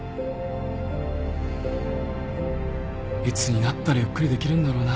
いつになったらゆっくりできるんだろうな？